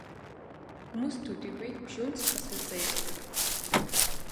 Хүмүүст төдийгүй хөшөөнд ч бас хувь заяа байдаг биз.